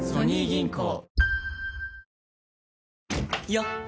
よっ！